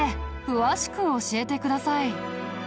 詳しく教えてください。